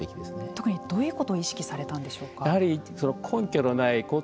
特にどういうことを意識されたんでしょうか。